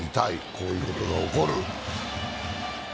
こういうことが起こる。